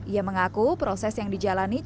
ia mengaku proses yang dijalani